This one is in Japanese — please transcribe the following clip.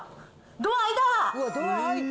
ドア開いた。